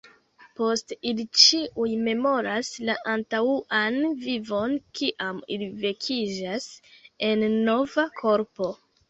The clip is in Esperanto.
Poste ili ĉiuj memoras la antaŭan vivon kiam ili vekiĝas en nova korpo.